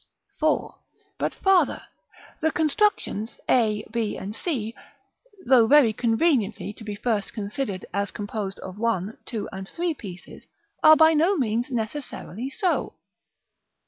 § IV. But farther. The constructions, A, B, and C, though very conveniently to be first considered as composed of one, two, and three pieces, are by no means necessarily so.